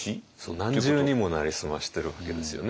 何重にも成り済ましてるわけですよね。